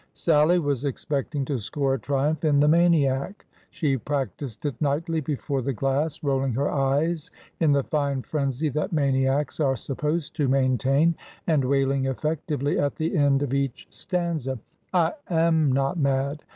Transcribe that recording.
Sallie was expecting to score a triumph in '' The Maniac." She practised it nightly before the glass, roll ing her eyes in the fine frenzy that maniacs are supposed to maintain, and wailing effectively at the end of each stanza : I am not mad